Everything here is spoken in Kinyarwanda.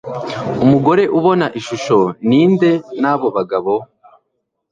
umugore ubona ku ishusho ni nde n abo bagabo